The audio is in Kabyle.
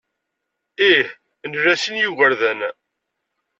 Ih, nla sin n yigerdan.